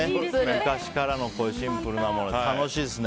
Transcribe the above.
昔からのシンプルなもので楽しいですね。